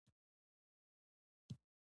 چې ډوب شوی سمندر کې